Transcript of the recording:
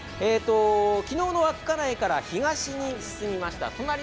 昨日の稚内から東に進みました。